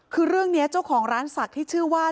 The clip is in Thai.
คือเรื่องนี้เจ้าของร้านศักดิ์ที่ชื่อว่า